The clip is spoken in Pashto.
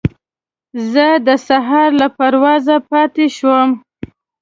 زه د سهار له پروازه پاتې شوم.